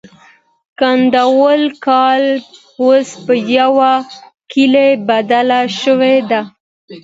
کنډواله کلا اوس په یوه کلي بدله شوې ده.